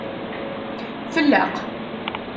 Felleq.